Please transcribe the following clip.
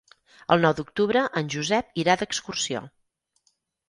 El nou d'octubre en Josep irà d'excursió.